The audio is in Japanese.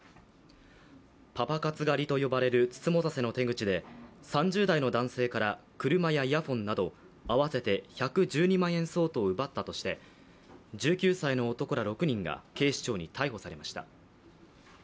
パパ活狩りと呼ばれる美人局の手口で３０代の男性から車やイヤホンなど合わせて１１２万円相当を奪ったとして１９歳の男ら６人が警視庁に逮捕されました。